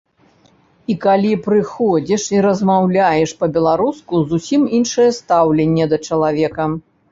І калі прыходзіш і размаўляеш па-беларуску, зусім іншае стаўленне да чалавека.